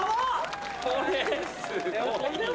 これすごいな。